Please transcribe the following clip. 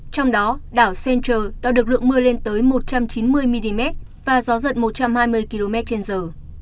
trong đó đảo central đo được lượng mưa lên tới một trăm chín mươi mm và gió giật một trăm hai mươi km trên giờ